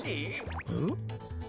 うん？